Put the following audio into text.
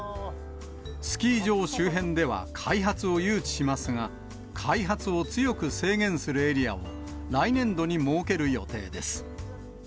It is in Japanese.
スキー場周辺では開発を誘致しますが、開発を強く制限するエリアを来年度に設ける予定です。